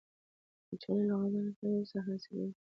کچالو له غنم سره یو وخت حاصلیږي